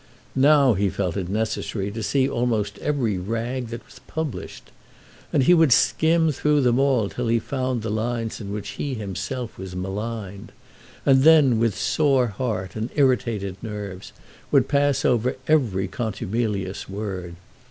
Now he felt it necessary to see almost every rag that was published. And he would skim through them all till he found the lines in which he himself was maligned, and then, with sore heart and irritated nerves, would pause over every contumelious word.